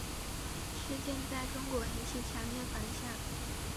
事件在中国引起强烈反响。